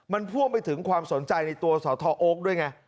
มันพ่วงไปถึงความสนใจในตัวสทโอ๊คด้วยไง